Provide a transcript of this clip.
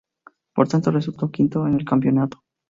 Por tanto, resultó quinto en el campeonato.